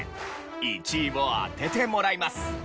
１位を当ててもらいます。